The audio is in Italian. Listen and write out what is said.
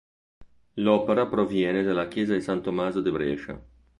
L'opera proviene dalla chiesa di San Tommaso di Brescia.